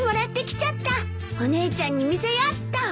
お姉ちゃんに見せよっと。